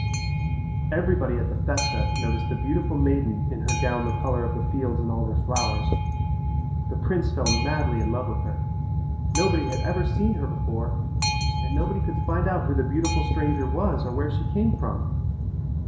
Everybody at the festa noticed the beautiful maiden in her gown the colour of the fields and all their flowers. The prince fell madly in love with her. Nobody had ever seen her before and nobody could find out who the beautiful stranger was or where she came from.